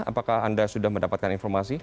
apakah anda sudah mendapatkan informasi